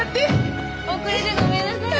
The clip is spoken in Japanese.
遅れてごめんなさいね。